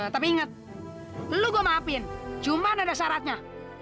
tapi inget lu gue maafin cuma ada syaratnya